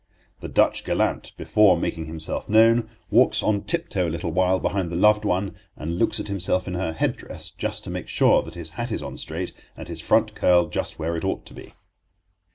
The Dutch gallant, before making himself known, walks on tiptoe a little while behind the Loved One, and looks at himself in her head dress just to make sure that his hat is on straight and his front curl just where it ought to be.